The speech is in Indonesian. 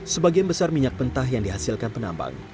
sebagian besar minyak pentah yang dihasilkan penampang